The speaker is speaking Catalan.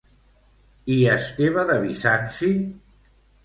I Esteve de Bizanci?